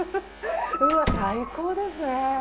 うわ最高ですね。